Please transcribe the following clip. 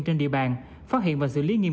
trên địa bàn phát hiện và xử lý nghiêm